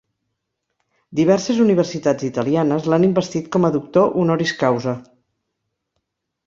Diverses universitats italianes l'han investit com a doctor honoris causa.